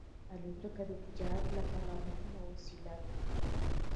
الوتکه د تجارت لپاره مهمه وسیله ده.